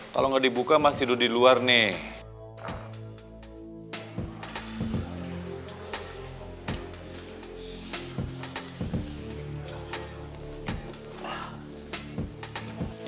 kalo gak dibuka mas tidur di luar nih